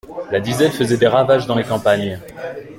La disette faisait des ravages dans les campagnes.